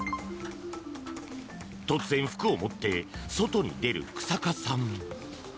突然、服を持って外に出る日下さん。